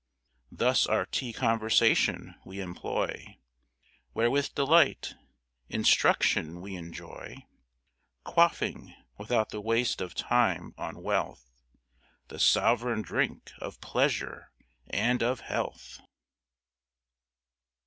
Thus our Tea Conversation we employ, Where with Delight, Instruction we enjoy; Quaffing, without the waste of Time or Wealth, The Sov'reign Drink of Pleasure and of Health.